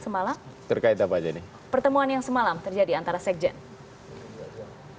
semalam pertemuan yang semalam terjadi antara sekjen